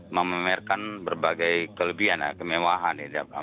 memamerkan berbagai kelebihan kemewahan